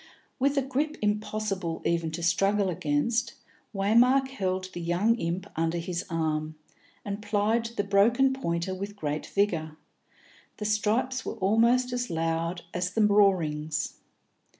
With a grip impossible even to struggle against, Waymark held the young imp under his arm, and plied the broken pointer with great vigour; the stripes were almost as loud as the roarings.